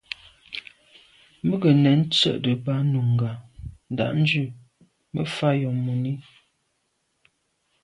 Mə́ gə nɛ̄n tsjə́ə̀də̄ bā núngā ndà’djú mə́ fá yɔ̀ mùní.